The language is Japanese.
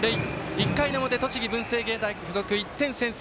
１回表、栃木、文星芸大付属１点先制。